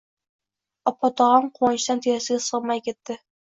Opog‘otam quvonchdan terisiga sig‘may ketdi: